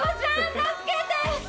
助けて！